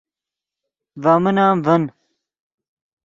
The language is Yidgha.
ڤے من ام ڤین